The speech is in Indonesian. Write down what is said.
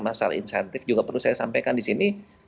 masalah insentif juga perlu saya sampaikan di sini